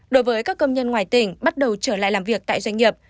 đối với các công nhân ngoài tỉnh bắt đầu trở lại làm việc tại doanh nghiệp